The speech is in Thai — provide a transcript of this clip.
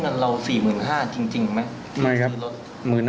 นี่๓เซน